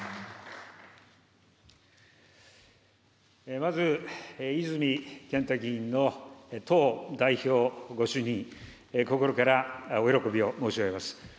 まず、泉健太議員の党代表ご就任、心からおよろこびを申し上げます。